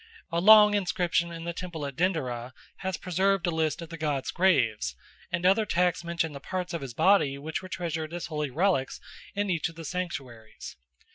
A long inscription in the temple at Denderah has preserved a list of the god's graves, and other texts mention the parts of his body which were treasured as holy relics in each of the sanctuaries.